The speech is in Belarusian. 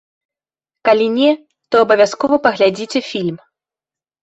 Калі не, то абавязкова паглядзіце фільм.